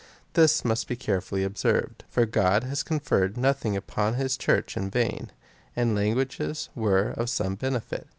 This must be carefully observed. For God has conferred nothing upon his Church in vain, and languages were of some benefit.